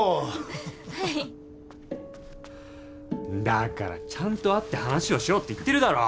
だからちゃんと会って話をしようって言ってるだろ。